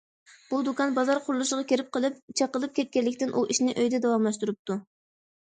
بۇ دۇكان بازار قۇرۇلۇشىغا كىرىپ قېلىپ چېقىلىپ كەتكەنلىكتىن ئۇ ئىشىنى ئۆيىدە داۋاملاشتۇرۇپتۇ.